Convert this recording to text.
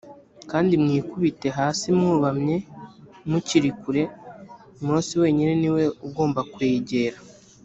kandi mwikubite hasi mwubamye mukiri kure mose wenyine ni we ugomba kwegera